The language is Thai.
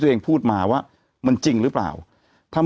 แต่หนูจะเอากับน้องเขามาแต่ว่า